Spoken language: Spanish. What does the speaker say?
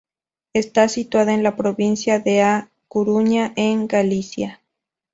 Está situada en la provincia de A Coruña en Galicia.